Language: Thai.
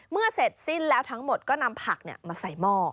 เสร็จสิ้นแล้วทั้งหมดก็นำผักมาใส่หม้อ